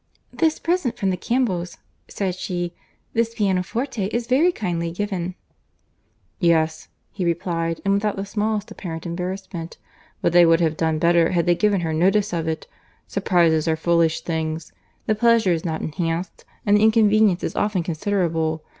"This present from the Campbells," said she—"this pianoforte is very kindly given." "Yes," he replied, and without the smallest apparent embarrassment.—"But they would have done better had they given her notice of it. Surprizes are foolish things. The pleasure is not enhanced, and the inconvenience is often considerable.